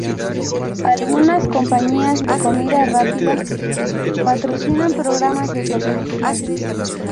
Algunas compañías de comida rápida patrocinan programas de televisión.